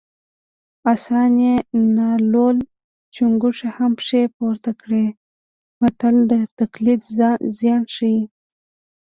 اسان یې نالول چونګښو هم پښې پورته کړې متل د تقلید زیان ښيي